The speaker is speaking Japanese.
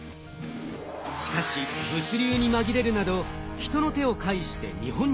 しかし物流にまぎれるなど人の手を介して日本に上陸。